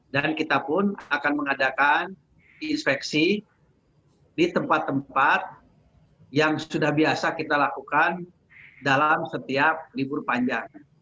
dan kita pun akan mengadakan inspeksi di tempat tempat yang sudah biasa kita lakukan dalam setiap libur panjang